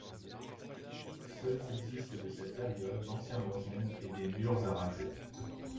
Seuls subsistent de cette période l'ancien donjon et des murs arasés.